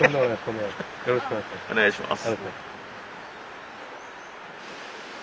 よろしくお願いします。